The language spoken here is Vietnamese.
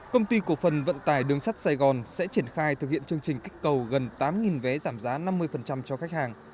công ty cổ phần vận tải đường sắt sài gòn sẽ triển khai thực hiện chương trình kích cầu gần tám vé giảm giá năm mươi cho khách hàng